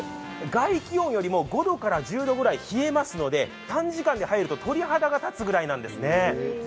外気温よりも５１０度くらい冷えますので短時間で入ると鳥肌が立つぐらいなんですね。